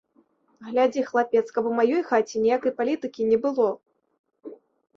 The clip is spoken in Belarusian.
Глядзі, хлапец, каб у маёй хаце ніякай палітыкі не было!